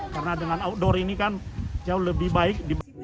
karena dengan outdoor ini kan jauh lebih baik